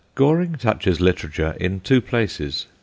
Goring touches literature in two places.